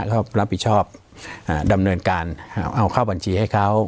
ก็รับผิดชอบดำเนินการเอาเข้าบัญชีให้เขา